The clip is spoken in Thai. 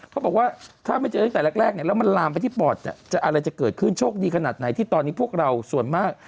เขาบอกว่าถ้าไม่เจอตั้งแต่แรกเนี่ยแล้วมันลามไปที่ปอดอะไรจะเกิดขึ้นโชคดีขนาดไหนที่ตอนนี้พวกเราส่วนมาก